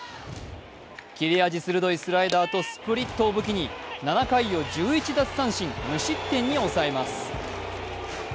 切れ味鋭いスライダーとスプリットを武器に、７回を１１奪三振無失点に抑えます。